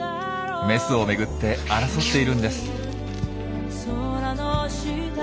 メスを巡って争っているんです。